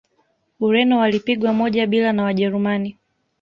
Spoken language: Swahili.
ureno walipigwa moja bila na wajerumani